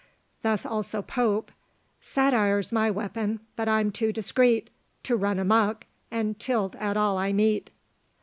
Thus also Pope "Satire's my weapon, but =I'm= too discreet To run a muck, and tilt at all I meet."